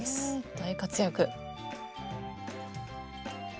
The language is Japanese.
大活躍。